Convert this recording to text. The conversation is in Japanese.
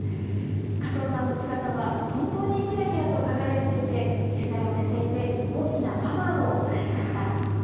加藤さんの姿は本当にキラキラと輝いていて取材をしていて大きなパワーをもらえました。